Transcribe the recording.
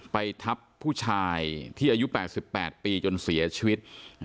ไปทับผู้ชายที่อายุ๘๘ปีจนเสียชีวิต